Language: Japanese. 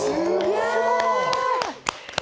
すごい！